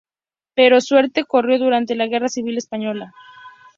Peor suerte corrió durante la Guerra Civil Española.